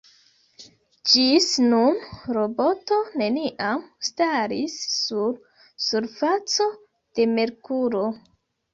Ĝis nun, roboto neniam staris sur surfaco de Merkuro.